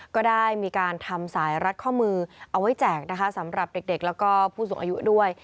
ก็ได้มีการทำสายรัดข้อมือเอาไว้แจกนะคะสำหรับเด็กแล้วก็ผู้สูงอายุด้วย